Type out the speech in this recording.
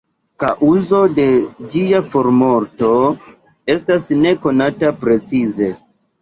Kaŭzo de ĝia formorto estas ne konata precize.